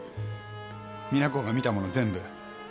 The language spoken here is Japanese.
実那子が見たもの全部！